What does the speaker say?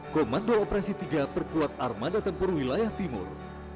komando operasi tiga perkuat armada tempur wilayah timur